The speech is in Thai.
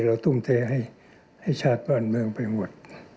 ทุ่มเทให้ชาติบ้านเมืองไปหมด